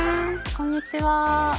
こんにちは。